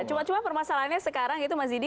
cuma cuma permasalahannya sekarang itu mas didi